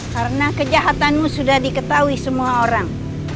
karena kejahatanmu sudah diketahui semua orang